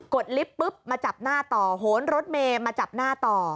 ดลิฟต์ปุ๊บมาจับหน้าต่อโหนรถเมย์มาจับหน้าต่อ